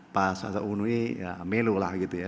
pak saungu ini ya melu lah gitu ya